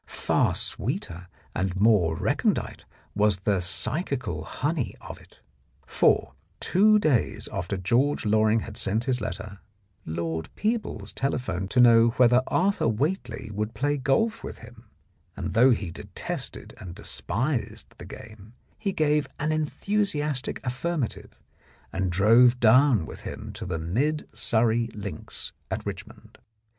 Far sweeter and more recondite was the psychical honey of it. For, two days after George Loring had sent his letter, Lord Peebles telephoned to know whether Arthur Whately would play golf with him, and though he detested and despised the game, he gave an enthusiastic affirmative, and drove down with him to the Mid Surrey links at Richmond.